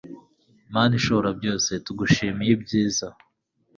mana ishobora byose tugushimiye, ibyiza